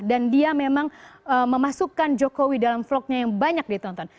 dan dia memang memasukkan jokowi dalam vlognya yang banyak ditonton